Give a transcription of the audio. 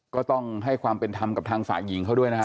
ก็ต้องให้ความเป็นธรรมกับทางฝ่ายหญิงเขาด้วยนะฮะ